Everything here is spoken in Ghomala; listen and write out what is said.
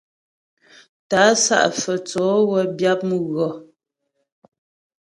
Tá'a Sá'a Fə́tsǒ wə́ byǎp mghʉɔ.